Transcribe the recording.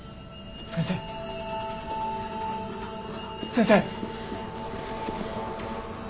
先生！？